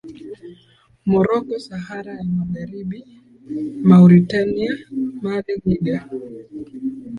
Moroko Sahara ya Magharibi Mauretania Mali Niger